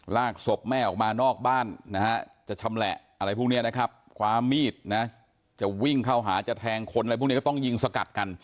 ลากศพแม่ออกมานอกบ้านนะฮะจะชำแหละอะไรพวกนี้นะครับความมีดนะจะวิ่งเข้าหาจะแทงคนอะไรพวกนี้ก็ต้องยิงสกัดกัน